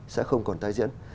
sẽ không còn tái diễn